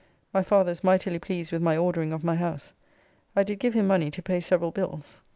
My father is mightily pleased with my ordering of my house. I did give him money to pay several bills.